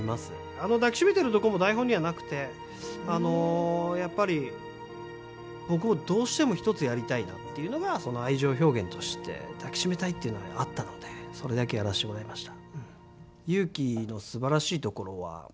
あの抱き締めているところも台本にはなくて、あの、やっぱり僕は、どうしても１つやりたいなっていうのが愛情表現として抱き締めたいっていうのがあったのでそれだけやらしてもらいました。